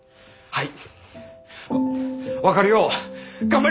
はい！